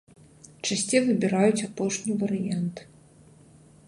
Часцей выбіраюць апошні варыянт.